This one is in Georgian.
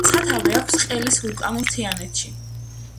სათავე აქვს ყელის ვულკანურ მთიანეთში.